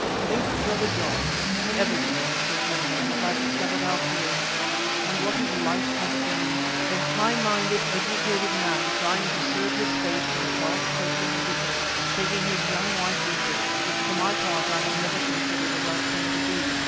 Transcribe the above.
Think of Brother John (Eversley was his real name as I discovered afterwards), and what his life had been. A high minded educated man trying to serve his Faith in the dark places of the earth, and taking his young wife with him, which for my part I have never considered a right thing to do.